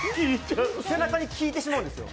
背中に効いてしまうんですよ。